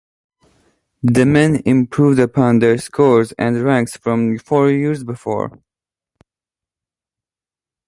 The men both improved upon their scores and ranks from four years before.